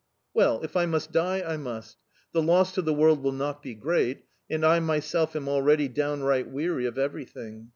Well? If I must die, I must! The loss to the world will not be great; and I myself am already downright weary of everything.